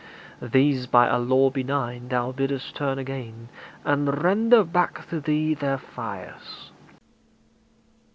These by a law benign Thou biddest turn again, and render back To thee their fires.